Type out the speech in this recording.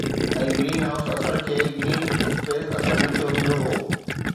۽ greenhouse اثر کي green space اثر لکيو ويندو هو